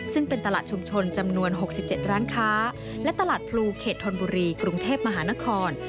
ซึ่งเป็นตลาดชุมชนจำนวน๖๗ร้านค้าและตลาดพลูเขตธนบุรีกรุงเทพมหานคร